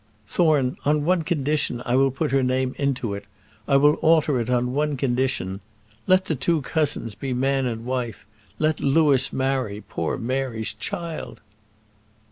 "Thorne, on one condition I will put her name into it. I will alter it all on one condition. Let the two cousins be man and wife let Louis marry poor Mary's child."